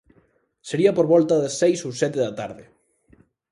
Sería por volta das seis ou sete da tarde.